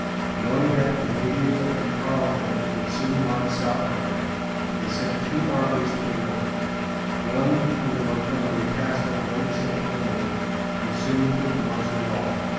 Knowing that the Ca na´di ans under Carle´ton would soon march southward, they sent two armies to the north. One, under Mont gom´er y, passed up Lake Champlain and soon took Montreal.